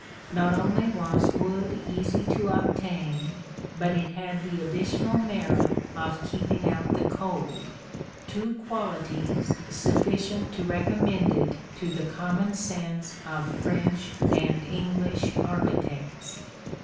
Not only was wood easy to obtain, but it had the additional merit of keeping out the cold: two qualities sufficient to recommend it to the common sense of French and English architects.